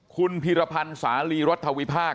คุณพีรพันธ์สาลีรัฐวิพากษ